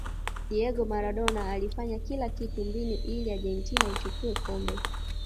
diego maradona alifanya kila kitu mbinu ili argentina ichukue kombe